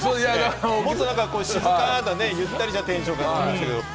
もっと何か静かな、ゆったりしたテンションかと思いましたけれども。